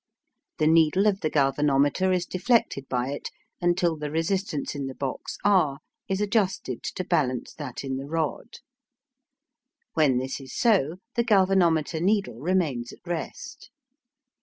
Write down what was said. The needle of the galvanometer is deflected by it, until the resistance in the box R is adjusted to balance that in the rod. When this is so, the galvanometer needle remains at rest.